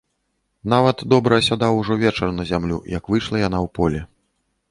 Нават добра асядаў ужо вечар на зямлю, як выйшла яна ў поле.